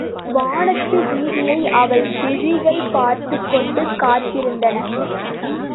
வானத்து வீதியை அவள் விழிகள் பார்த்துக் கொண்டு காத்திருந்தன.